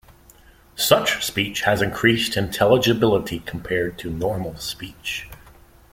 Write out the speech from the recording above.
Such speech has increased intelligibility compared to normal speech.